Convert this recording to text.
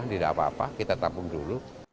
tidak apa apa kita tampung dulu